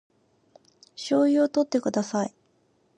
醤油をとってください